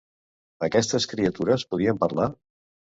Aquestes criatures podien parlar?